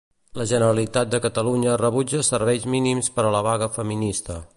La Generalitat de Catalunya rebutja serveis mínims per a la vaga feminista.